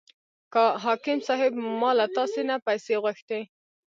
حاکم صاحب ما له تاسې نه پیسې غوښتې.